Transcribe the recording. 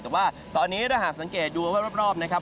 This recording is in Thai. แต่ว่าตอนนี้ถ้าหากสังเกตดูรอบนะครับ